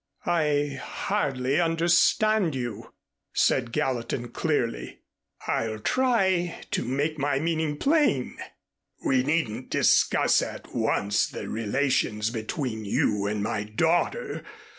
"I hardly understand you," said Gallatin clearly. "I'll try to make my meaning plain. We needn't discuss at once the relations between you and my daughter.